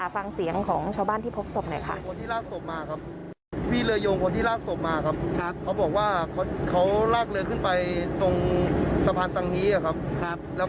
ฟังเสียงของชาวบ้านที่พบศพหน่อยค่ะ